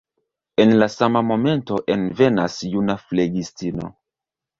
En la sama momento envenas juna flegistino.